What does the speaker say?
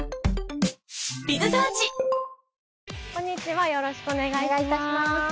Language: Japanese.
こんにちはよろしくお願いします。